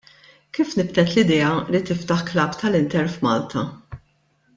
Kif nibtet l-idea li tiftaħ klabb tal-Inter f'Malta?